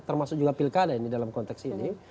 termasuk juga pilkada ini dalam konteks ini